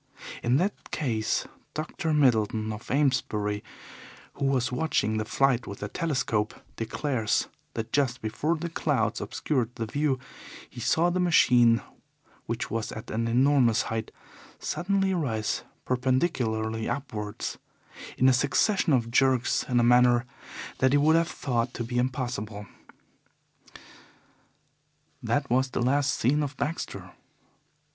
In that case, Dr. Middleton, of Amesbury, who was watching the flight with a telescope, declares that just before the clouds obscured the view he saw the machine, which was at an enormous height, suddenly rise perpendicularly upwards in a succession of jerks in a manner that he would have thought to be impossible. That was the last seen of Baxter.